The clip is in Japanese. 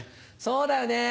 そうだよね。